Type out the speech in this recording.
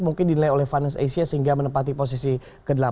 mungkin dinilai oleh finance asia sehingga menempati posisi ke delapan